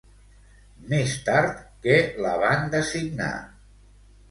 Més tard, què la van designar?